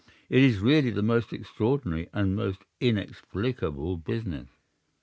It is really the most extraordinary and inexplicable business.